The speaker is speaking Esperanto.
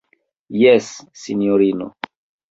Jes, sinjorino.